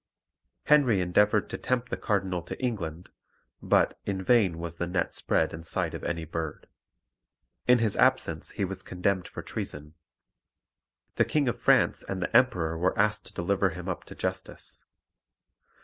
Henry endeavoured to tempt the cardinal to England, but "in vain was the net spread in sight of any bird." In his absence he was condemned for treason. The King of France and the Emperor were asked to deliver him up to justice.